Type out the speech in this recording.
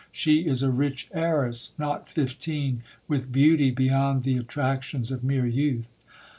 She is a rich heiress, not fifteen, with beauty beyond the attrac tions of mere youth.